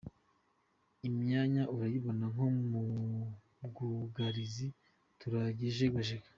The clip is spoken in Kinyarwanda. Imyanya urayibona nko mu bwugarizi turajegajega.